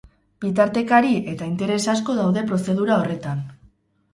Bitartekari eta interes asko daude prozedura horretan.